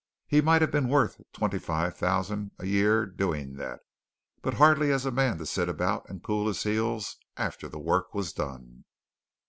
He might have been worth twenty five thousand a year doing that, but hardly as a man to sit about and cool his heels after the work was done.